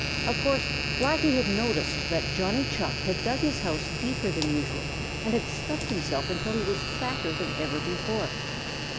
Of course, Blacky had noticed that Johnny Chuck had dug his house deeper than usual and had stuffed himself until he was fatter than ever before.